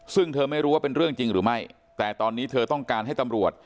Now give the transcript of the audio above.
ซึ่งเธอไม่รู้ว่าเป็นเรื่องจริงหรือไม่แต่ตอนนี้เธอต้องการให้ตำรวจ